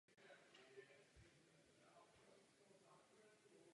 Jste dědici Imre Kertésze.